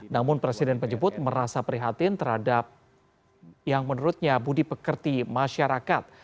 namun presiden menyebut merasa prihatin terhadap yang menurutnya budi pekerti masyarakat